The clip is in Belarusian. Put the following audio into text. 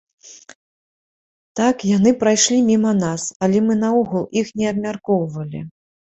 Так, яны прайшлі міма нас, але мы наогул іх не абмяркоўвалі.